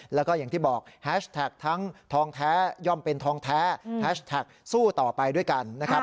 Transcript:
แล้วก็อย่างที่บอกแฮชแท็กทั้งทองแท้ย่อมเป็นทองแท้แฮชแท็กสู้ต่อไปด้วยกันนะครับ